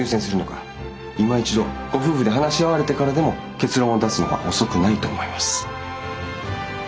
いま一度ご夫婦で話し合われてからでも結論を出すのは遅くないと思います。